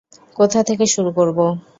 কোথা থেকে শুরু করব?